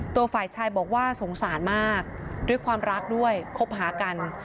ตัวฝ่ายชายบอกว่าสงสารมากด้วยความรักด้วยคบหากัน